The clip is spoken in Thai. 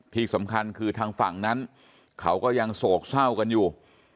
ที่สำคัญคือทางฝั่งนั้นเขาก็ยังโศกเศร้ากันอยู่